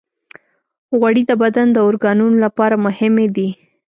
غوړې د بدن د اورګانونو لپاره مهمې دي.